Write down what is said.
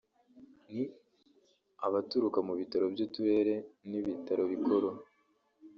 ni abaturuka mu bitaro by’uturere n’ibitaro bikuru